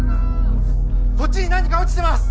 ・こっちに何か落ちてます！